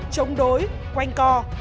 chống đối quanh co